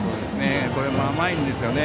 これも甘いんですね。